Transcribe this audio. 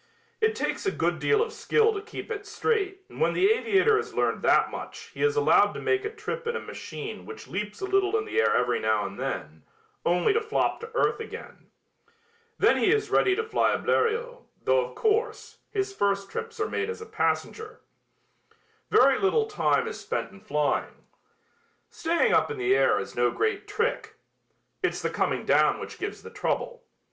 It takes a good deal of skill to keep it straight and when the aviator has learned that much he is allowed to make a trip in a machine which leaps a little in the air every now and then, only to flop to earth again. Then he is ready to fly a Bleriot, though, of course, his first trips are made as a passenger. Very little time is spent in flying. Staying up in the air is no great trick. It's the coming down which gives the trouble.